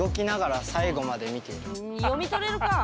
読み取れるかあ！